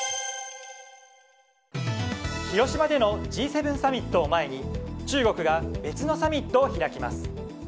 広島でのＧ７サミットを前に中国が別のサミットを開きます。